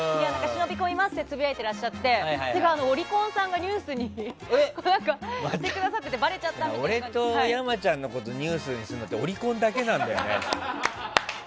忍び込みますってつぶやいていらっしゃってオリコンさんがニュースにしてくださって俺と山ちゃんのことニュースにするのってオリコンだけなんだよね。